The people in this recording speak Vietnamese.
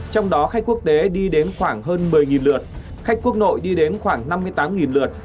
trong đó khách quốc tế đi đến khoảng hơn một mươi lượt khách quốc nội đi đến khoảng năm mươi tám lượt